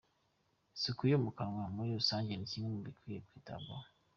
Isuku yo mu kanwa muri rusange ni kimwe mu bikwiye kwitabwaho.